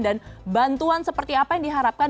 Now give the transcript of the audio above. dan bantuan seperti apa yang diharapkan